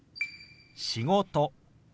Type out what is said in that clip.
「仕事」。